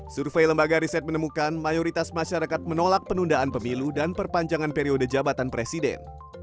survei lembaga riset menemukan mayoritas masyarakat menolak penundaan pemilu dan perpanjangan periode jabatan presiden